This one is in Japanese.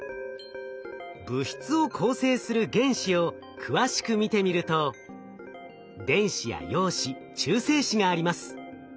物質を構成する原子を詳しく見てみると電子や陽子中性子があります。